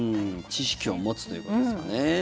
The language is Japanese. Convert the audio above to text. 知識を持つということですよね。